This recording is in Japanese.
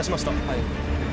はい。